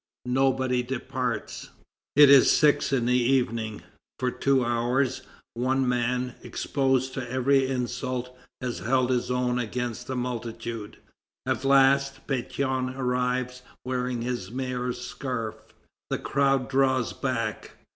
Nobody departs. It is six in the evening. For two hours, one man, exposed to every insult, has held his own against a multitude. At last Pétion arrives wearing his mayor's scarf. The crowd draws back.